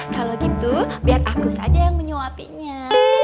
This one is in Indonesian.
kalau gitu biar aku saja yang menyuapinya